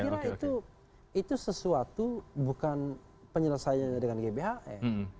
saya kira itu sesuatu bukan penyelesaiannya dengan gbhn